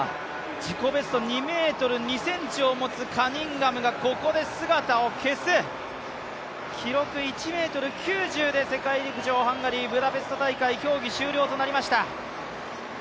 自己ベスト２ｍ２ｃｍを持つカニンガムがここで姿を消す、記録１ｍ９０で世界陸上ハンガリー・ブダペスト大会競技終了となりました。